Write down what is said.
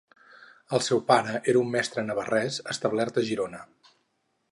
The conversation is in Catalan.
El seu pare era un mestre navarrès establert a Girona.